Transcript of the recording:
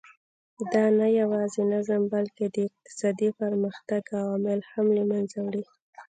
دا نه یوازې نظم بلکې د اقتصادي پرمختګ عوامل هم له منځه وړي.